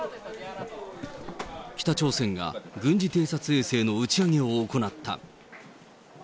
北朝鮮が軍事偵察衛星の打ち上げを行った。